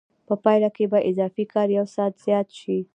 په پایله کې به اضافي کار یو ساعت زیات شي